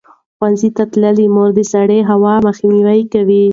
ښوونځې تللې مور د سړې هوا مخنیوی کوي.